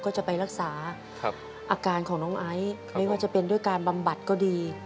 ก็จะไปรักษาอาการของน้องไอซ์ไม่ว่าจะเป็นด้วยการบำบัดก็ดี